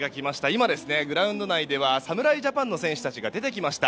今、グラウンド内では侍ジャパンの選手たちが出てきました。